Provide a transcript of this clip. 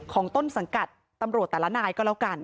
ต้นสังกัดตำรวจแต่ละนายก็แล้วกัน